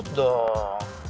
kayak gitu dong